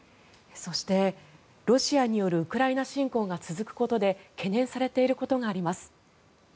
そして、ロシアによるウクライナ侵攻が続くことで懸念されていることがあります。